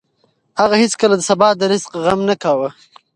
هغه هېڅکله د سبا د رزق غم نه کاوه.